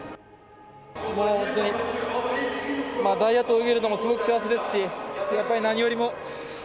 もう本当に、大也と泳げるのもすごく幸せですし、やっぱり何よりも。